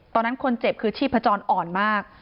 ตอนนั้นคนเจ็บคือชีพจรอ่อนมาก